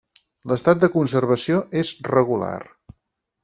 L'estat de conservació és regular.